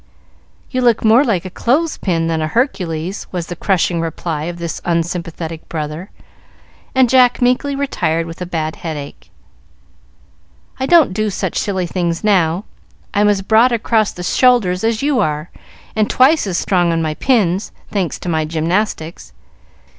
"You look more like a clothes pin than a Hercules," was the crushing reply of this unsympathetic brother, and Jack meekly retired with a bad headache. "I don't do such silly things now: I'm as broad across the shoulders as you are, and twice as strong on my pins, thanks to my gymnastics.